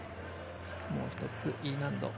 もう１つ、Ｅ難度。